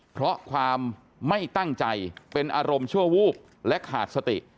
เพราะความไม่ตั้งใจเป็นอารมณ์ชั่ววูบและขาดสติ